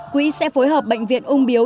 quỹ sẽ phối hợp bệnh viện ung biếu